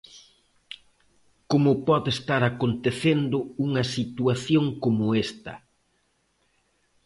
Como pode estar acontecendo unha situación como esta?